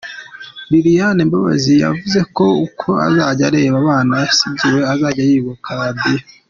Liliane Mbabazi yavuze ko uko azajya areba abana yasigiwe azajya yibuka Radio.